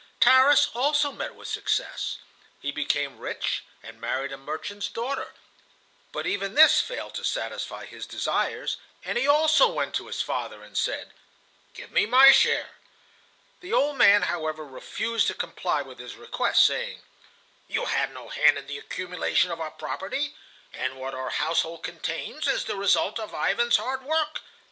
Tarras also met with success. He became rich and married a merchant's daughter, but even this failed to satisfy his desires, and he also went to his father and said, "Give me my share." The old man, however, refused to comply with his request, saying: "You had no hand in the accumulation of our property, and what our household contains is the result of Ivan's hard work.